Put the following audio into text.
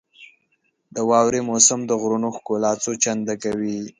• د واورې موسم د غرونو ښکلا څو چنده کوي.